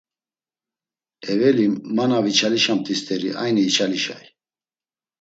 Eveli ma na viçalişamt̆i st̆eri ayni içalişay.